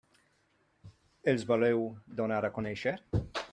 Els voleu donar a conèixer?